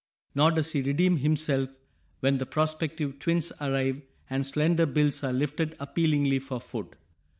Nor does he redeem himself when the prospective "twins" arrive and slender bills are lifted appealingly for food!